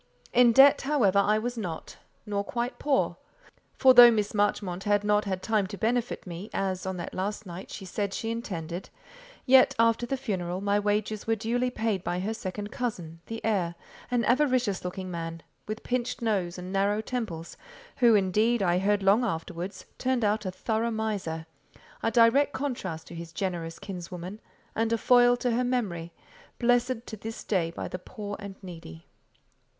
In debt, however, I was not; nor quite poor; for though Miss Marchmont had not had time to benefit me, as, on that last night, she said she intended, yet, after the funeral, my wages were duly paid by her second cousin, the heir, an avaricious looking man, with pinched nose and narrow temples, who, indeed, I heard long afterwards, turned out a thorough miser: a direct contrast to his generous kinswoman, and a foil to her memory, blessed to this day by the poor and needy.